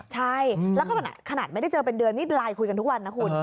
ใช่แล้วก็ขนาดไม่ได้เจอเป็นเดือนนี่ไลน์คุยกันทุกวันนะคุณ